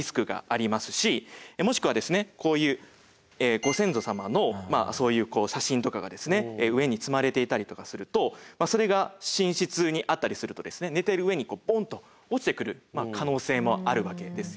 もしくはこういうご先祖様のそういう写真とかが上に積まれていたりとかするとそれが寝室にあったりすると寝ている上にボンッと落ちてくる可能性もあるわけですよね。